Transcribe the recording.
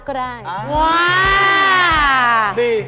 อุปกรณ์ทำสวนชนิดใดราคาถูกที่สุด